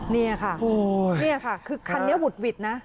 นี่ค่ะคือคันนี้หุดหวิดนะ